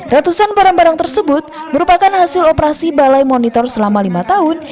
ratusan barang barang tersebut merupakan hasil operasi balai monitor selama lima tahun